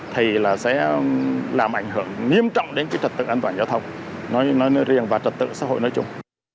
thì là sẽ làm ảnh hưởng nghiêm trọng đến cái trật tự an toàn giao thông nói riêng và trật tự xã hội nói chung